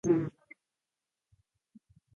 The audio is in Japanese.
レバノンの首都はベイルートである